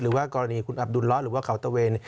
หรือว่ากรณีคุณอับดุลล้อหรือว่าเขาตะเวน